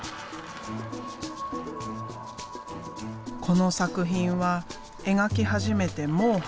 この作品は描き始めてもう半年。